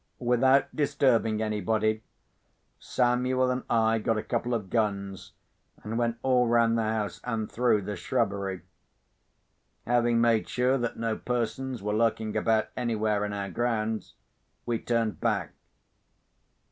Without disturbing anybody, Samuel and I got a couple of guns, and went all round the house and through the shrubbery. Having made sure that no persons were lurking about anywhere in our grounds, we turned back.